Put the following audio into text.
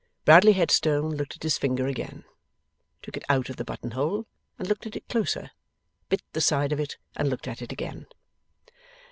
Bradley Headstone looked at his finger again, took it out of the buttonhole and looked at it closer, bit the side of it and looked at it again.